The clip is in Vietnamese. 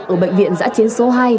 ở bệnh viện giã chiến số hai